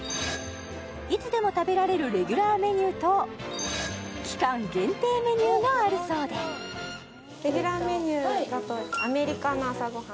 いつでも食べられるレギュラーメニューと期間限定メニューがあるそうでレギュラーメニューだとアメリカの朝ごはん